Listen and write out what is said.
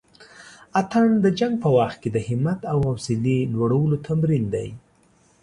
اتڼ د جنګ په وخت کښې د همت او حوصلې لوړلو تمرين دی.